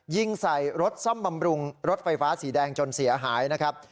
ยิงใส่รถซ่อมบำรุงรถไฟฟ้าสีแดงจนเสียหายนะครับ